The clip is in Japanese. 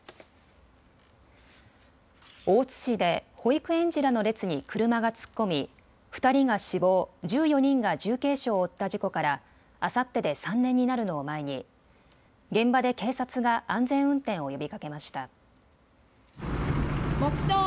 大津市で保育園児らの列に車が突っ込み２人が死亡、１４人が重軽傷を負った事故からあさってで３年になるのを前に現場で警察が安全運転を呼びかけました。